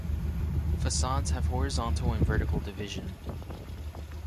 Facades have horizontal and vertical division.